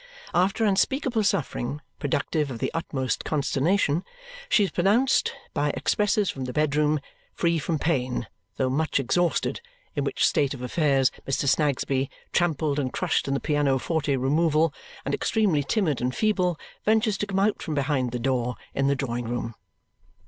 After unspeakable suffering, productive of the utmost consternation, she is pronounced, by expresses from the bedroom, free from pain, though much exhausted, in which state of affairs Mr. Snagsby, trampled and crushed in the piano forte removal, and extremely timid and feeble, ventures to come out from behind the door in the drawing room.